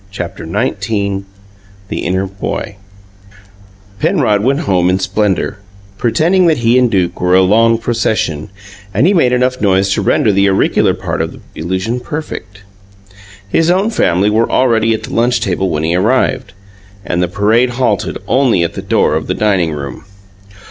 CHAPTER XIX THE INNER BOY Penrod went home in splendour, pretending that he and Duke were a long procession; and he made enough noise to render the auricular part of the illusion perfect. His own family were already at the lunch table when he arrived, and the parade halted only at the door of the dining room.